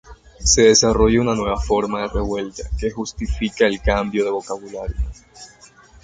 Se desarrolla una nueva forma de revuelta, que justifica el cambio de vocabulario.